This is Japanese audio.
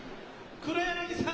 黒柳さん